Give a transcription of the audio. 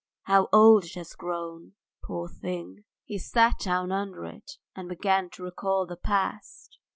... How old it has grown, poor thing! He sat down under it and began to recall the past.